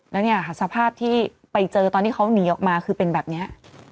แล้วเนี่ยค่ะสภาพที่ไปเจอตอนที่เขาหนีออกมาคือเป็นแบบนี้